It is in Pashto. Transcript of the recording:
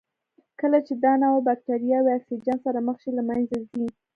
کله چې دا نوعه بکټریاوې اکسیجن سره مخ شي له منځه ځي.